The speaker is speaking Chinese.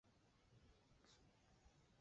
马特诺玛瀑布的一个瀑布。